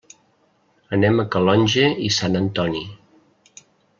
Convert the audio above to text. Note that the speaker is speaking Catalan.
Anem a Calonge i Sant Antoni.